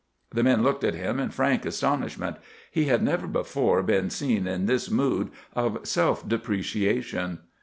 The men looked at him in frank astonishment. He had never before been seen in this mood of self depreciation.